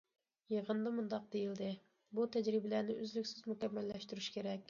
يىغىندا مۇنداق دېيىلدى: بۇ تەجرىبىلەرنى ئۈزلۈكسىز مۇكەممەللەشتۈرۈش كېرەك.